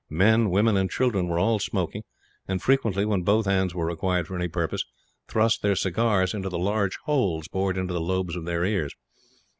Men, women, and children were all smoking; and frequently, when both hands were required for any purpose, thrust their cigars into the large holes bored in the lobes of their ears.